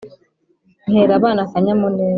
Ntera abana akanyamuneza